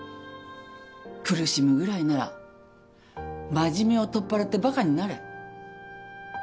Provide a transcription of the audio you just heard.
苦しむぐらいなら真面目を取っ払ってバカになれ。